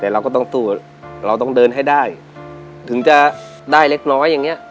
แต่เราก็ต้องสู้เราต้องเดินให้ได้ถึงจะได้เล็กน้อยอย่างเงี้ย